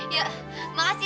ya makasih ya steve ya